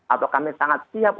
atau kami sangat siap